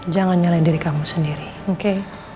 jangan nyalai diri kamu sendiri oke